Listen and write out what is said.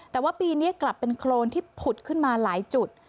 แต่ว่าปีนี้กลับเป็นโครนที่ผุดขึ้นมาหลายจุด